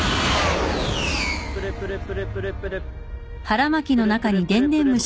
プルプルプルプルプル。